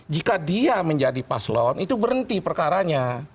jika dia menjadi paslon itu berhenti perkaranya